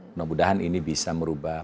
semoga ini bisa merubah